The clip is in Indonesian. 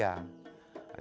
karl himge dan s m